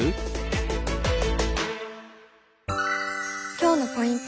今日のポイント